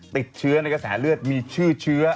ติดเชื้อในกระแสเลือดมีชื่อเชื้อ